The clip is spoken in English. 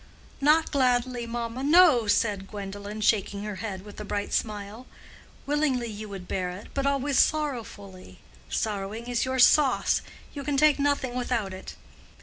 "Not gladly, mamma, no!" said Gwendolen, shaking her head, with a bright smile. "Willingly you would bear it, but always sorrowfully. Sorrowing is your sauce; you can take nothing without it."